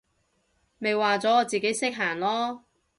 咪話咗我自己識行囉！